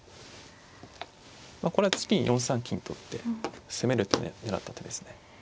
これは次に４三金と打って攻める手を狙った手ですね。